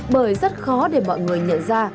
bởi rất khó để mọi người nhận ra